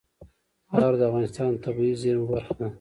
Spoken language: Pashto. خاوره د افغانستان د طبیعي زیرمو برخه ده.